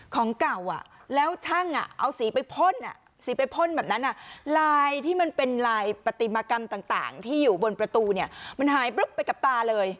ของเก่าแล้วช่างเอาสีไปพ่นสีไปพ่นแบบนั้นลายที่มันเป็นลายปฏิมากรรมต่างที่อยู่บนประตูเนี่ยมันหายปรึ๊บไปกับตาเลย